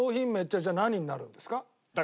じゃあ何になるんですか？